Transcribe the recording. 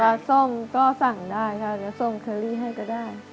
ปลาส้มก็สั่งได้ค่ะแล้วส้มเคอรี่ให้ก็ได้